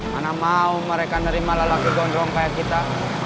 mana mau mereka nerima lelaki gondrong kaya kita